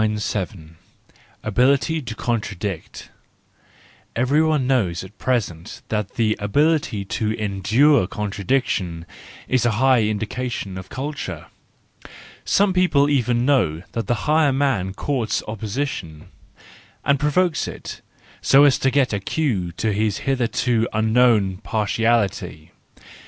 Ability to Contradict —Everyone knows at present that the ability to endure contradiction is a high indication of culture. Some people even know that the higher man courts opposition, and provokes it, so as to get a cue to his hitherto unknown parti¬ ality.